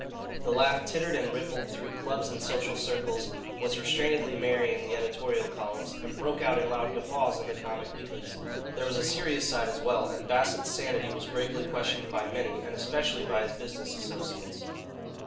The laugh tittered and rippled through clubs and social circles, was restrainedly merry in the editorial columns, and broke out in loud guffaws in the comic weeklies. There was a serious side as well, and Bassett's sanity was gravely questioned by many, and especially by his business associates.